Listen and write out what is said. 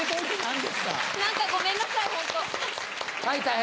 はい。